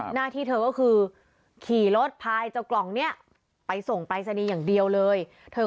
หน้าที่เธอก็คือขี่รถพายเจ้ากล่องเนี่ยไปส่งไปซะนี้อย่างเดียวเลย